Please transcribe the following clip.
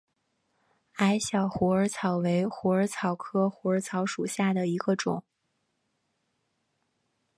矮小虎耳草为虎耳草科虎耳草属下的一个种。